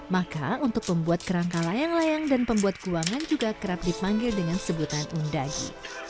maka untuk membuat kerangka layang layang dan pembuat ruangan juga kerap dipanggil dengan sebutan undagi